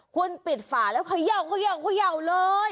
คุณปิดฝาแล้วเขย่าเลย